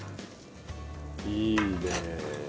いいね。